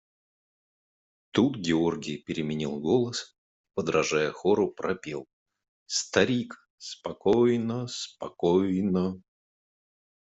Тут Георгий переменил голос и, подражая хору, пропел: – Старик, спокойно… спокойно!